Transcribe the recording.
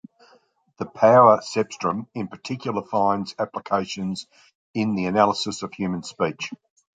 The power cepstrum in particular finds applications in the analysis of human speech.